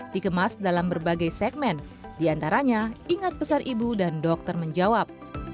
dikemas dalam berbagai segmen diantaranya ingat pesan ibu dan dokter menjawab